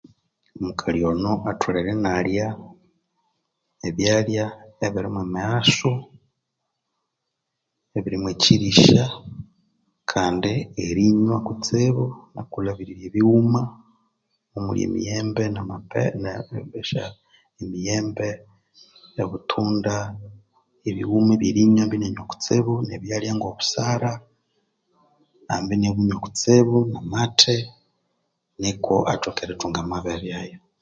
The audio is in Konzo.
Omukali Ono atholere inalya ebyalya ebiri mwemighasu ebiri mwekyirisya kandi erinywa kutsibu okwilhabirirya ebighuma omuli emiyembe na mape ne nesya emiyembe obutunda ebighuma ebyerinywa ambi inabinywa kutsibu ebyalya ngo busara ambi nabinywa kutsibu amathi niku athoke erithunga amabere ayo